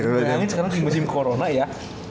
kayaknya sekarang krimisim corona ya